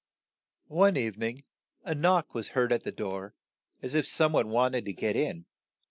One eve ning a knock was heard at the door as if some one wished to get in.